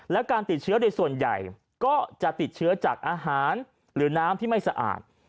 และการติดเชื้อในส่วนใหญ่ก็จะติดเชื้อจากอาหารหรือน้ำที่ไม่สะอาด